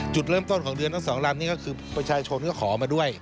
จุดเริ่มต้นของเรือนทั้งสองลำนี้ก็คือประชาชนก็ขอมาด้วย